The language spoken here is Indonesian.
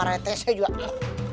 pak reti saya juga